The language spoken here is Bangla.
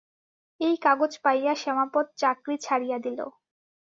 এই কাগজ পাইয়া শ্যামাপদ চাকরি ছাড়িয়া দিল।